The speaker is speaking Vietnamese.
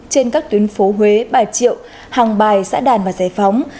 trên các tuyến phố huế bà triệu hàng bài xã đàn và giải phóng